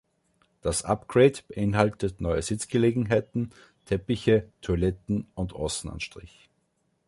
Das Upgrade beinhaltete neue Sitzgelegenheiten, Teppiche, Toiletten und Außenanstrich.